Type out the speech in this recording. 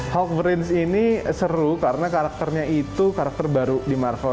hawk prince ini seru karena karakternya itu karakter baru di marvel